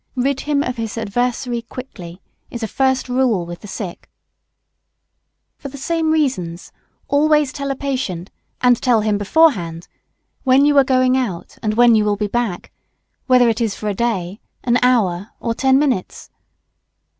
"Rid him of his adversary quickly," is a first rule with the sick. For the same reasons, always tell a patient and tell him beforehand when you are going out and when you will be back, whether it is for a day, an hour, or ten minutes.